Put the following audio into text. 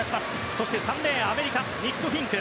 そして３レーンアメリカのニック・フィンク。